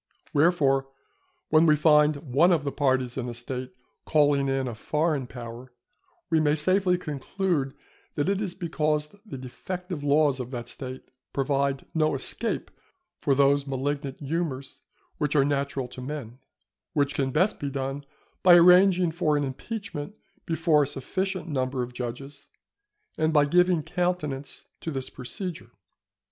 Wherefore, when we find one of the parties in a State calling in a foreign power, we may safely conclude that it is because the defective laws of that State provide no escape for those malignant humours which are natural to men; which can best be done by arranging for an impeachment before a sufficient number of judges, and by giving countenance to this procedure.